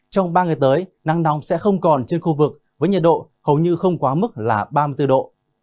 trong ba ngày tới nắng nóng sẽ không còn trên khu vực với nhiệt độ hầu như không quá mức là ba mươi bốn độ